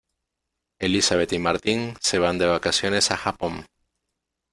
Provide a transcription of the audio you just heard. Elisabet y Martín se van de vacaciones a Japón.